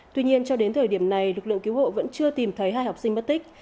tuy nhiên cho đến thời điểm này lực lượng cứu hộ vẫn chưa tìm thấy hai học sinh mất tích